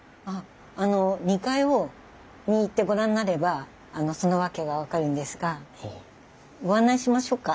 あの２階に行ってご覧になればその訳が分かるんですがご案内しましょうか？